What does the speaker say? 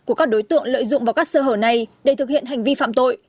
của các đối tượng lợi dụng vào các sơ hở này để thực hiện hành vi phạm tội